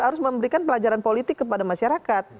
harus memberikan pelajaran politik kepada masyarakat